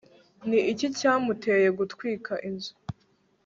ni iki cyamuteye gutwika inzu